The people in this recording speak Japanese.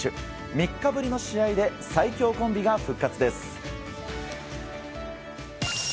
３日ぶりの試合で最強コンビが復活です。